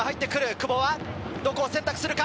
久保はどこを選択するか。